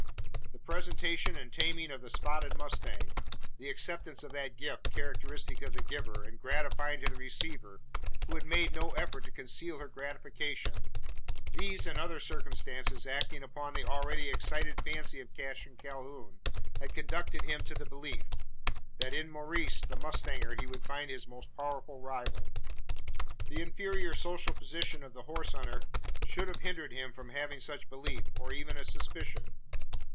The presentation and taming of the spotted mustang; the acceptance of that gift, characteristic of the giver, and gratifying to the receiver, who had made no effort to conceal her gratification; these, and other circumstances, acting upon the already excited fancy of Cassius Calhoun, had conducted him to the belief: that in Maurice the mustanger he would find his most powerful rival. The inferior social position of the horse hunter should have hindered him from having such belief, or even a suspicion.